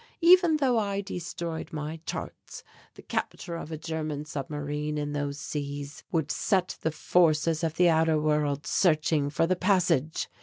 Even though I destroyed my charts, the capture of a German submarine in those seas would set the forces of the outer world searching for the passage.